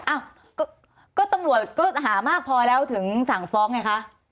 อ้าวก็ตำรวจก็หามากพอแล้วถึงสั่งฟ้องไงคะ